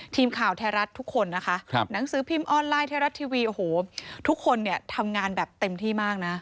ทีมข่าวไทยรัฐทุกคนนะคะหนังสือพิมพ์ออนไลน์ไทยรัฐทีวีโอ้โหทุกคนเนี่ยทำงานแบบเต็มที่มากนะ